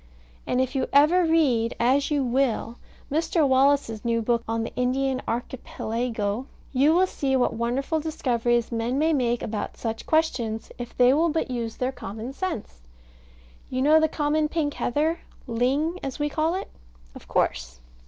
And if you ever read (as you will) Mr. Wallace's new book on the Indian Archipelago, you will see what wonderful discoveries men may make about such questions if they will but use their common sense. You know the common pink heather ling, as we call it? Of course.